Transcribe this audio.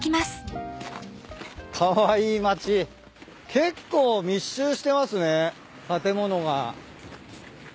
結構密集してますね建物が。